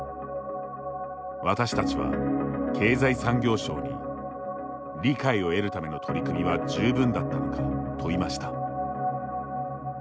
私たちは経済産業省に理解を得るための取り組みは十分だったのか問いました。